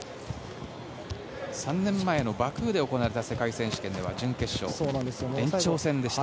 ３年前のバクーで行われた世界選手権では準決勝、延長戦でした。